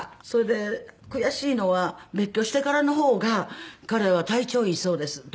それで悔しいのは別居してからの方が彼は体調いいそうです。